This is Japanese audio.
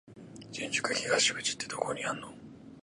新宿東口ってどこにあんの？